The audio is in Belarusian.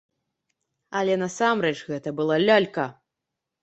Але насамрэч гэта была лялька.